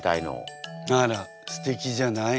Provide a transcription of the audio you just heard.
あらすてきじゃない？